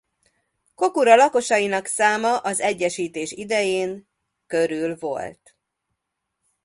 Kokura lakosainak száma az egyesítés idején körül volt.